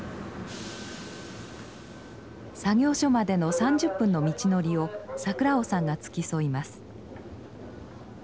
作業所までの３０分の道のりを桜麻さんが付き添います。